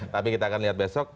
tapi kita akan lihat besok